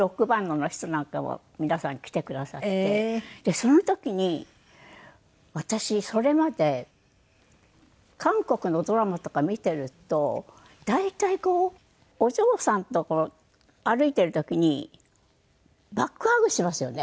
その時に私それまで韓国のドラマとか見ていると大体こうお嬢さんと歩いている時にバックハグしますよね？